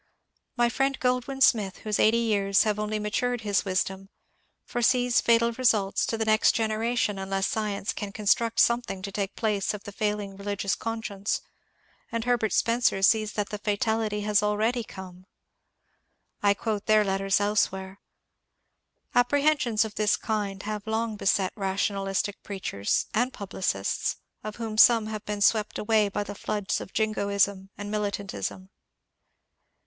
My friend Groldwin Smith, whose eighty years have only matured his wisdom, foresees fatal re sults to the next generation unless science can construct some thing to take the place of the failing religious conscience, and Herbert Spencer sees that the fatality has already come. I quote their letters elsewhere. Apprehensions of this kind have long beset rationalistic preachers and publicists, of whom some have been swept away by the floods of Jingoism and Militantism.